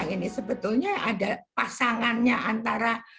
ini sebetulnya ada pasangannya antara